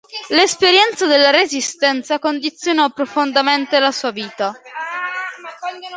L’esperienza della Resistenza condizionò profondamente la sua vita.